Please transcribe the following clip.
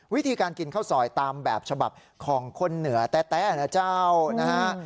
วิธีการกินข้าวซอยตามแบบฉบับของคนเหนือแต๊ะนะเจ้านะฮะ